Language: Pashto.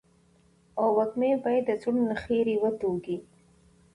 او وږمې به يې د زړونو خيري وتوږي.